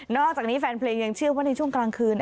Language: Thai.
อกจากนี้แฟนเพลงยังเชื่อว่าในช่วงกลางคืน